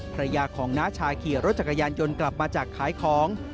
ภรรยาของน้าชายขี่รถจักรยานยนต์กลับมาจากขายของ